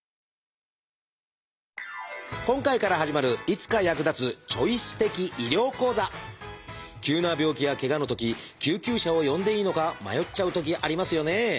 今回から始まる急な病気やけがのとき救急車を呼んでいいのか迷っちゃうときありますよね。